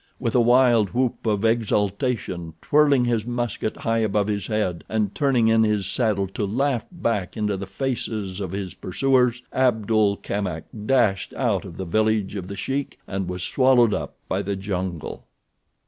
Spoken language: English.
With a wild whoop of exultation, twirling his musket high above his head and turning in his saddle to laugh back into the faces of his pursuers Abdul Kamak dashed out of the village of The Sheik and was swallowed up by the jungle.